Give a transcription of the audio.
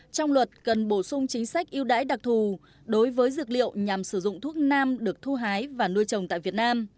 trong luật cần bổ sung chính sách yêu đãi đặc thù đối với dược liệu nhằm sử dụng thuốc nam được thu hái và nuôi trồng tại việt nam